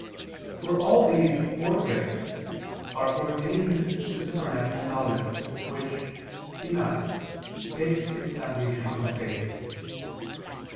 For all these four gifts are ordained to supernatural knowledge, which, in us, takes its foundation from faith.